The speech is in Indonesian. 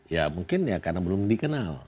ya mungkin ya karena belum dikenal